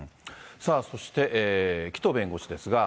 さあそして、紀藤弁護士ですが。